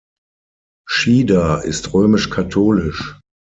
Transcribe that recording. Schieder ist römisch-katholisch.